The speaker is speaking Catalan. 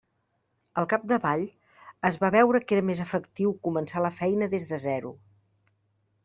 Al capdavall, es va veure que era més efectiu començar la feina des de zero.